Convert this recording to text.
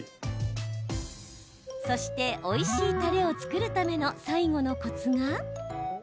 そして、おいしいたれを作るための最後のコツが。